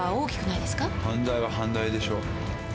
「犯罪は犯罪でしょ？」